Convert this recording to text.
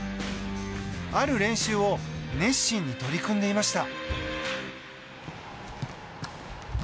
ある練習を熱心に取り組んでいました。